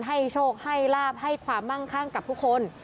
ให้โชคให้ลาบให้ความมั่งข้างกับทุกคน